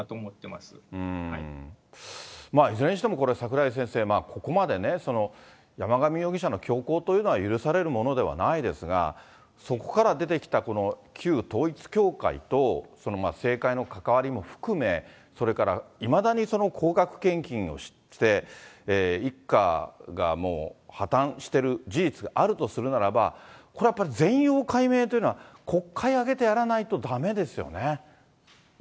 まあ、いずれにしてもこれ、櫻井先生、ここまで山上容疑者の凶行というのは許されるものではないですが、そこから出てきたこの旧統一教会と政界の関わりも含め、それからいまだに高額献金をして、一家がもう破綻してる事実があるとするならば、これはやっぱり全容解明というのは、国会挙げてやらないとだめですよね。